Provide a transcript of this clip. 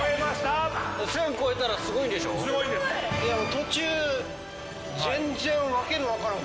途中全然訳の分からん